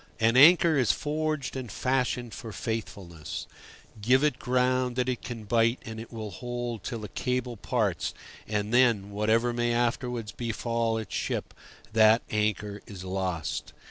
An anchor is forged and fashioned for faithfulness; give it ground that it can bite, and it will hold till the cable parts, and then, whatever may afterwards befall its ship, that anchor is "lost."